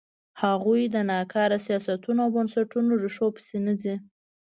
هغوی د ناکاره سیاستونو او بنسټونو ریښو پسې نه ځي.